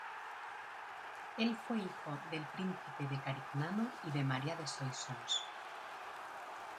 Él fue hijo del Príncipe de Carignano y de Maria de Soissons.